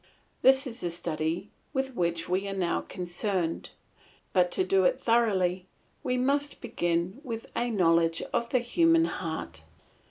This is the study with which we are now concerned; but to do it thoroughly we must begin with a knowledge of the human heart.